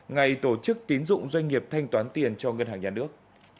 ngày tổ chức tín dụng doanh nghiệp thanh toán tiền cho ngân hàng nhà nước